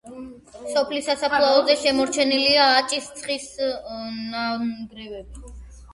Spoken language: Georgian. სოფლის სასაფლაოზე შემორჩენილია აჭის ციხის ნანგრევები.